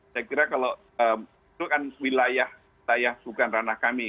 saya kira kalau itu kan wilayah saya bukan ranah kami